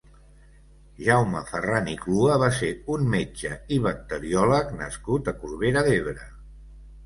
Jaume Ferran i Clua va ser un metge i bacteriòleg nascut a Corbera d'Ebre.